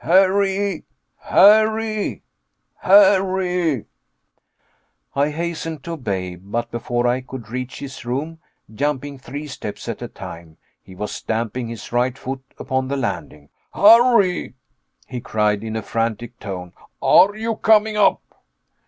"Harry Harry Harry " I hastened to obey, but before I could reach his room, jumping three steps at a time, he was stamping his right foot upon the landing. "Harry!" he cried, in a frantic tone, "are you coming up?"